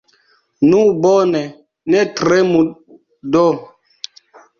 Nu, bone, ne tremu do!